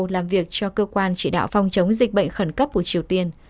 làm việc cho cơ quan chỉ đạo phòng chống dịch bệnh khẩn cấp của triều tiên